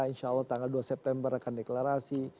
insya allah tanggal dua september akan deklarasi